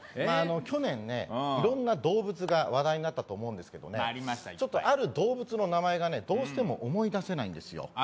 去年ねいろんな動物が話題になったと思うんですけどちょっとある動物の名前がねどうしても思い出せないんですよ。